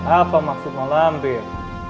apa maksud malampir